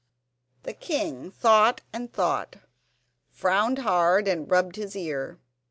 The king thought and thought, frowned hard and rubbed his ear.